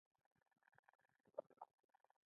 لمریز پینل برېښنا تولیدوي.